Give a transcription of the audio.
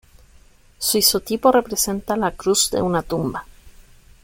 Su isotipo representa la cruz de una tumba.